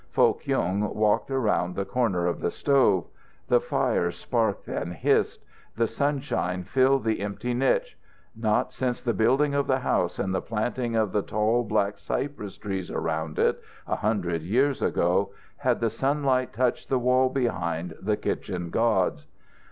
Foh Kyung walked around the corner of the stove. The fire sparked and hissed. The sunshine filled the empty niche. Not since the building of the house and the planting of the tall black cypress trees around it, a hundred years ago, had the sunlight touched the wall behind the kitchen gods.